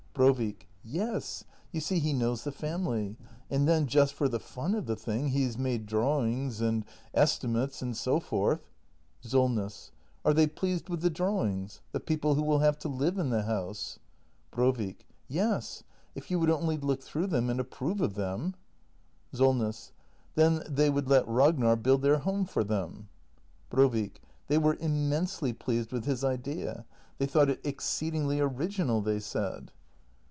Brovik. Yes. You see, he knows the family. And then — just for the fun of the thing — he has made drawings and es timates and so forth Solness. Are they pleased with the drawings ? The people who will have to live in the house ? Brovik. Yes. If you would only look through them and ap prove of them Solness. Then they would let Ragnar build their home for them ? Brovik. They were immensely pleased with his idea. They thought it exceedingly original, they said.